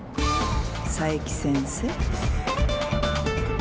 佐伯先生。